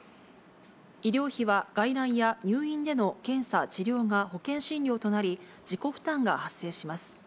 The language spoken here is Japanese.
医療費は外来や入院での検査、治療が保険診療となり、自己負担が発生します。